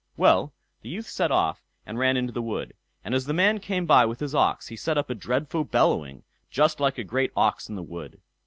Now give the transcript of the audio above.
Well, the youth set off, and ran into the wood; and as the man came by with his ox he set up a dreadful bellowing, just like a great ox in the wood.